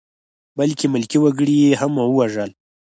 بلکې ملکي وګړي یې هم ووژل.